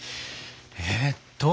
えっと。